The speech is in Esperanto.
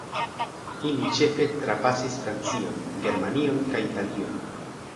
Ili ĉefe trapasis Francion, Germanion kaj Italion.